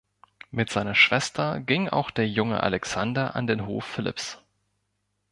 Mit seiner Schwester ging auch der junge Alexander an den Hof Philipps.